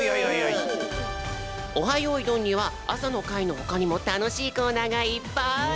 よいどん」にはあさのかいのほかにもたのしいコーナーがいっぱい！